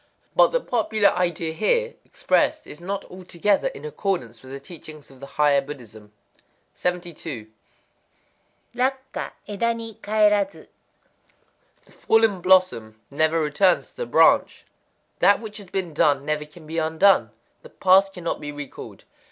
But the popular idea here expressed is not altogether in accord with the teachings of the higher Buddhism. 72.—Rakkwa éda ni kaerazu. The fallen blossom never returns to the branch. That which has been done never can be undone: the past cannot be recalled.